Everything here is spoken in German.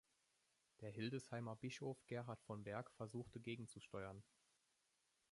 Der Hildesheimer Bischof Gerhard von Berg versuchte gegenzusteuern.